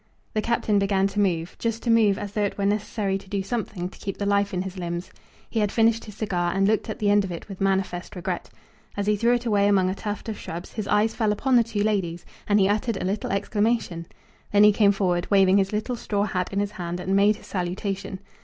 The Captain began to move, just to move, as though it were necessary to do something to keep the life in his limbs. He had finished his cigar, and looked at the end of it with manifest regret. As he threw it away among a tuft of shrubs his eye fell upon the two ladies, and he uttered a little exclamation. Then he came forward, waving his little straw hat in his hand, and made his salutation.